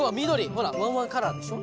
ほらワンワンカラーでしょ。